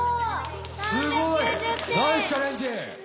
すごい。ナイスチャレンジ。